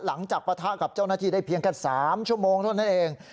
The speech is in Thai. ปะทะกับเจ้าหน้าที่ได้เพียงแค่๓ชั่วโมงเท่านั้นเอง